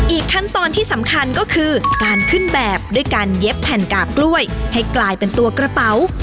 ขั้นตอนที่สำคัญก็คือการขึ้นแบบด้วยการเย็บแผ่นกาบกล้วยให้กลายเป็นตัวกระเป๋า